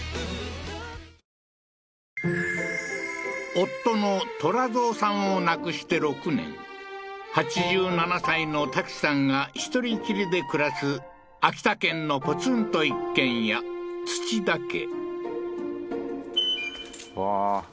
夫の寅三さんを亡くして６年８７歳のタキさんが１人きりで暮らす秋田県のポツンと一軒家土田家